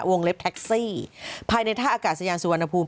เล็บแท็กซี่ภายในท่าอากาศยานสุวรรณภูมิ